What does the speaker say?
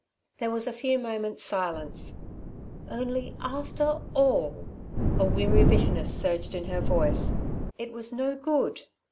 There was a few moments' silence. "Only after all" a weary bitterness surged in her voice "it was no good.